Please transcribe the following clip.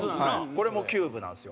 これもキューブなんですよ。